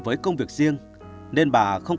với công việc riêng nên bà không